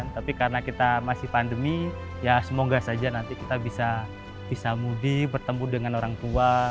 tapi karena kita masih pandemi ya semoga saja nanti kita bisa mudik bertemu dengan orang tua